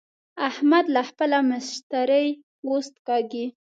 احمد له خپله مشتري پوست کاږي.